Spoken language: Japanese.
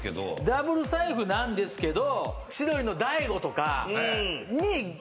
ダブル財布なんですけど。